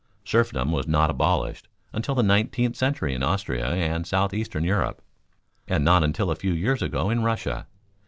Serfdom was not abolished until the nineteenth century in Austria and southeastern Europe, and not until a few years ago in Russia.